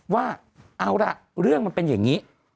ว่าเอาล่ะเรื่องมันเป็นอย่างนี้